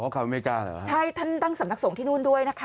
ข่าวอเมริกาเหรอใช่ท่านตั้งสำนักสงฆ์ที่นู่นด้วยนะคะ